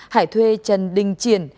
hải thuê trần đình triển